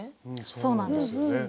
そうなんです。